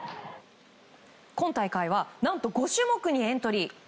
今大会は何と５種目にエントリー。